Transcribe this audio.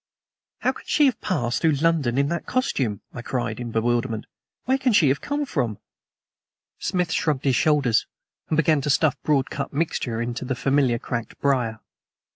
"How can she have passed through London in that costume?" I cried in bewilderment. "Where can she have come from?" Smith shrugged his shoulders and began to stuff broad cut mixture into the familiar cracked briar.